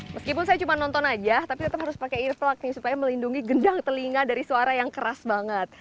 meskipun saya cuma nonton aja tapi tetap harus pakai earplug nih supaya melindungi gendang telinga dari suara yang keras banget